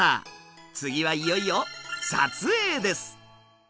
次はいよいよ撮影です。